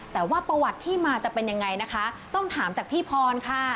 แต่ว่าประวัติที่มาจะเป็นยังไงนะคะต้องถามจากพี่พรค่ะ